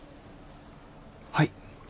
はい。